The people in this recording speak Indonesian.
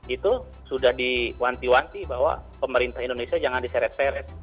itu sudah diwanti wanti bahwa pemerintah indonesia jangan diseret seret